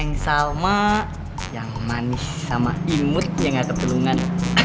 neng salma yang manis sama imut ya gak ketelungan